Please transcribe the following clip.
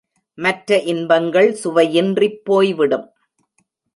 மற்ற இன்பங்கள் சுவையின்றிப் போய்விடும்.